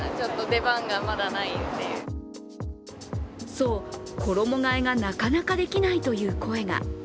そう、衣がえがなかなかできないという声が。